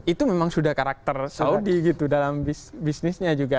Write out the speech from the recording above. itu memang sudah karakter saudi gitu dalam bisnisnya juga